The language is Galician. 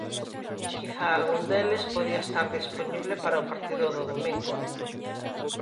Quizá algún deles poida estar dispoñible para o partido do domingo.